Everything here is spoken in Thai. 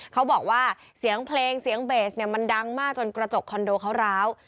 เขาบอกว่าเสียงเพลงเสียงเบสเนี่ยมันดังมากจนกระจกคอนโดเขาร้าว